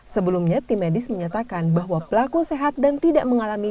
sebelumnya tim medis menyatakan bahwa pelaku sehat dan tidak mengalami